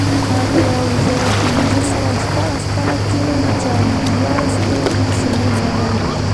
په یو زرو پینځه سوه شپاړس کال کې جان دیاز ډي سلوس راغی.